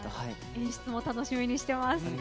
演出も楽しみにしています。